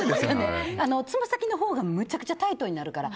つま先のほうがむちゃくちゃタイトになるから。